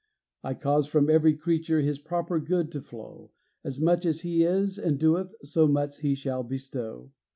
I cause from every creature His proper good to flow; As much as he is and doeth, So much he shall bestow.